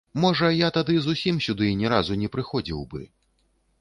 Можа, я тады зусім сюды ні разу не прыходзіў бы.